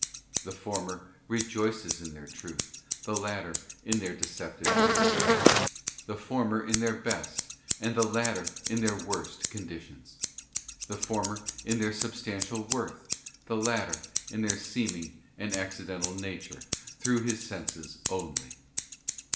The former rejoices in their truth, the latter in their decep tiveness ; the former in their best, and the latter in their worst, conditions; the former in their substantial worth, and the latter in their seeming and accidental nature, through his senses only.